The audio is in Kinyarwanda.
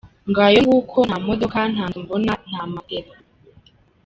Ngayo nguko, nta modoka, nta nzu mbona, nta matela noo.